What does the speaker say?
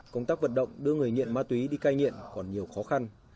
công tác vận động đưa người nghiện ma túy đi cai nghiện còn nhiều khó khăn